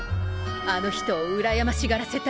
あの人をうらやましがらせたい。